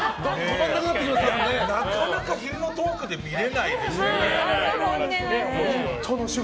なかなか昼のトークで見れないですよね。